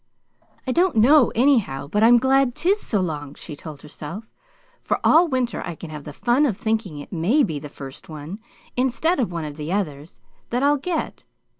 "I don't know, anyhow, but I'm glad 'tis so long," she told herself, "for all winter I can have the fun of thinking it may be the first one instead of one of the others, that I'll get.